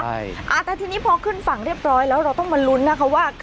แต่ทีนี้พอขึ้นฝั่งเรียบร้อยแล้วเราต้องมาลุ้นนะคะว่า